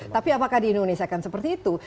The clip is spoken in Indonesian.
tapi apakah di indonesia kan seperti itu